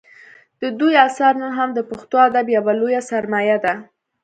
د دوی اثار نن هم د پښتو ادب یوه لویه سرمایه ده